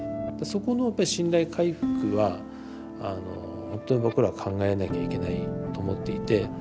そこのやっぱ信頼回復はほんとに僕ら考えなきゃいけないと思っていて。